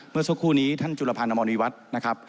เมื่อสักครู่นี้ท่านจุลพันธ์อมรณีวัฒน์นะครับ